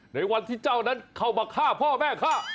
ในวันที่เจ้านั้นเข้ามาฆ่าพ่อแม่ฆ่า